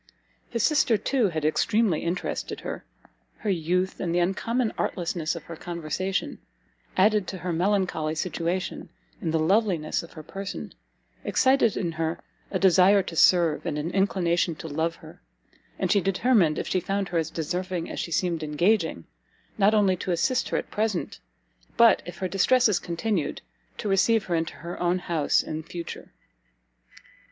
His sister, too, had extremely interested her; her youth, and the uncommon artlessness of her conversation, added to her melancholy situation, and the loveliness of her person, excited in her a desire to serve, and an inclination to love her; and she determined, if she found her as deserving as she seemed engaging, not only to assist her at present, but, if her distresses continued, to received her into her own house in future.